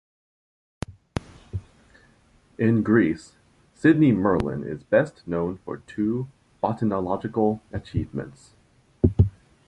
In Greece, Sidney Merlin is best known for two botanological achievements.